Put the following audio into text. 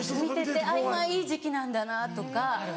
見てて今いい時期なんだなとか。